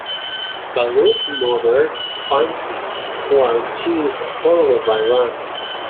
Ballu's mother finds him, while she is followed by Ram.